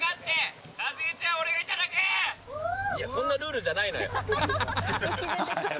いやそんなルールじゃないのよ。